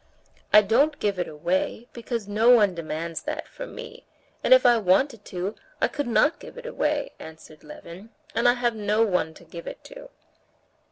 "I don't give it away, because no one demands that from me, and if I wanted to, I could not give it away," answered Levin, "and have no one to give it to."